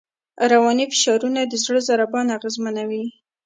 رواني فشارونه د زړه ضربان اغېزمنوي.